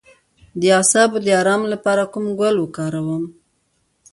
د اعصابو د ارام لپاره کوم ګل وکاروم؟